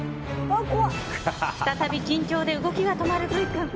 再び緊張で動きが止まるブイ君。